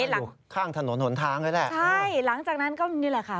อยู่ข้างถนนหนทางเลยแหละใช่หลังจากนั้นก็นี่แหละค่ะ